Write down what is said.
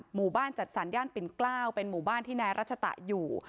หมู่บ้านจัดสรรย่านปิ่นเกล้าเป็นหมู่บ้านที่นายรัชตะอยู่